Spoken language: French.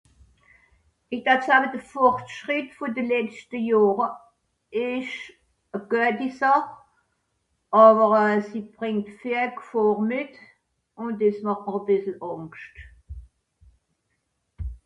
de fortschrit isch gfarli